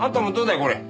これ。